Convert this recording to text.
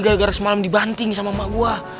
gara gara semalam dibanting sama emak gue